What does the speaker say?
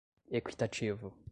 equitativo